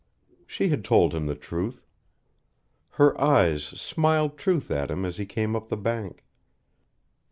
She had told him the truth. Her eyes smiled truth at him as he came up the bank.